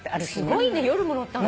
すごいね夜も乗ったの？